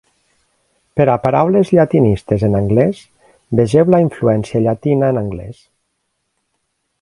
Per a paraules llatinistes en anglès, vegeu la influència llatina en anglès.